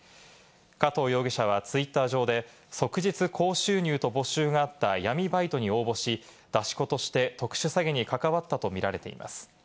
加藤容疑者はＴｗｉｔｔｅｒ上で即日高収入と募集があった闇バイトに応募し、出し子として特殊詐欺に関わったと見られています。